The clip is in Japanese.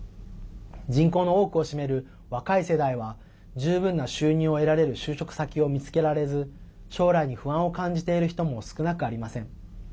人口の多くを占める若い世代は十分な収入を得られる就職先を見つけられず将来に不安を感じている人も少なくありません。